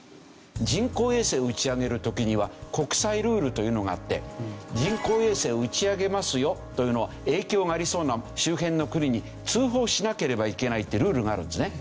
人工衛星を打ち上げる時には国際ルールというのがあって人工衛星を打ち上げますよというのを影響がありそうな周辺の国に通報しなければいけないっていうルールがあるんですね。